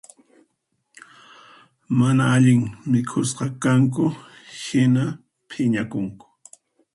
Mana allin mikhusqakanku hina phiñakunku